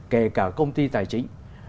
kể cả công ty tài chính